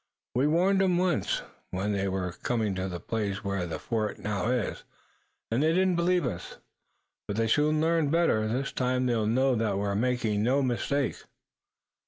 We warned 'em once when they were coming to the place where the fort now is, and they didn't believe us, but they soon learned better. This time they'll know that we're making no mistake."